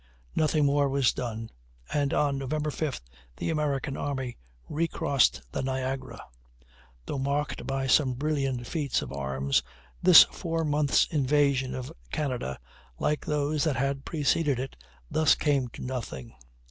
Nothing more was done, and on November 5th the American army recrossed the Niagara. Though marked by some brilliant feats of arms this four months' invasion of Canada, like those that had preceded it, thus came to nothing.